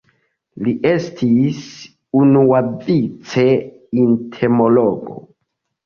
Li estis unuavice entomologo.